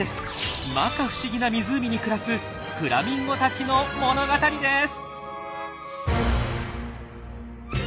まか不思議な湖に暮らすフラミンゴたちの物語です！